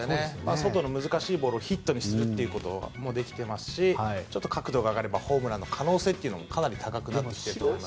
外の難しいボールをヒットにするということもできてますし角度が上がればホームランの可能性も高くなってきます。